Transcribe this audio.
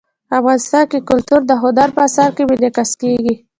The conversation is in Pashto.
افغانستان کې کلتور د هنر په اثار کې منعکس کېږي.